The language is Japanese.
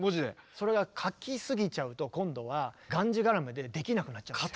それが書き過ぎちゃうと今度はがんじがらめでできなくなっちゃうんですよ。